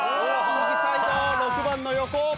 右サイド６番の横。